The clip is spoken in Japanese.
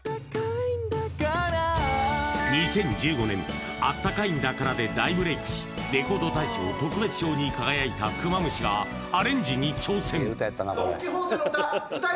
２０１５年「あったかいんだから」で大ブレイクしレコード大賞特別賞に輝いたさあ